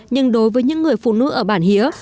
nhưng đối với những người phụ nữ ở bản hía